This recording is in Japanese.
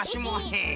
へえ！